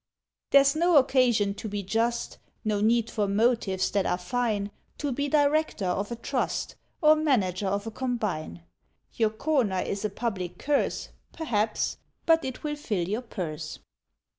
There's no occasion to be Just, No need for motives that are fine, To be Director of a Trust, Or Manager of a Combine; Your corner is a public curse, Perhaps; but it will fill your purse.